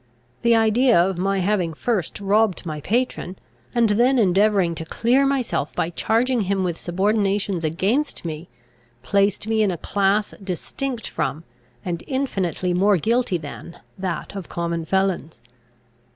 The idea of my having first robbed my patron, and then endeavouring to clear myself by charging him with subornation against me, placed me in a class distinct from, and infinitely more guilty than that of common felons.